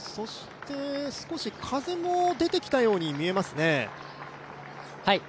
少し風も出てきたように見えますね。